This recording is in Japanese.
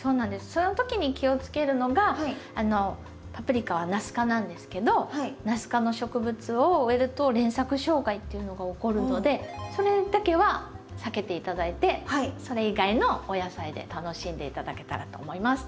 その時に気をつけるのがパプリカはナス科なんですけどナス科の植物を植えると連作障害っていうのが起こるのでそれだけは避けて頂いてそれ以外のお野菜で楽しんで頂けたらと思います。